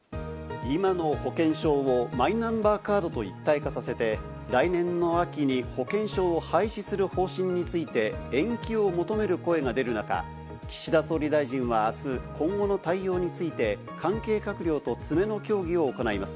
今の保険証をマイナンバーカードと一体化させて、来年の秋に保険証を廃止する方針について、延期を求める声が出る中、岸田総理大臣はあす、今後の対応について、関係閣僚と詰めの協議を行います。